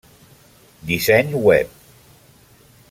Disseny web: